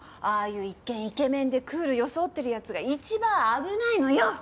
ああいう一見イケメンでクール装ってる奴が一番危ないのよ。